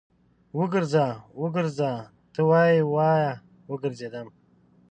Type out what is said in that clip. وګرځه، وګرځه ته وايې، وايه وګرځېدم